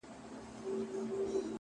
o ځاى جوړاوه،